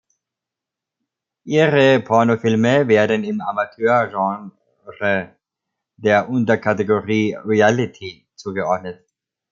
Ihre Pornofilme werden im Amateur-Genre der Unterkategorie „Reality“ zugeordnet.